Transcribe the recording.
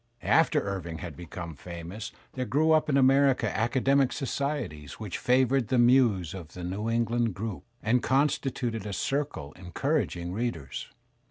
After Irving had become famous there grew up in America academic societies which favoured the muse of the New England group and constituted a circle encouraging readers.